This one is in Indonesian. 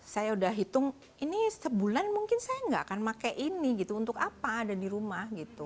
saya sudah hitung ini sebulan mungkin saya tidak akan memakai ini untuk apa ada di rumah